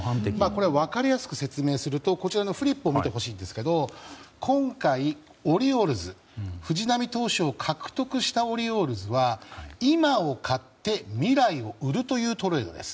分かりやすく説明するとこちらのフリップを見てほしいんですけど今回、オリオールズ藤浪投手を獲得したオリオールズは今を買って未来を売るというトレードです。